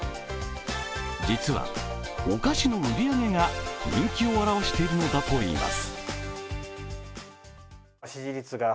実はお菓子の売り上げが人気を表しているのだといいます。